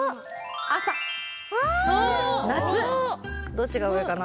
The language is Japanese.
どっちがうえかな？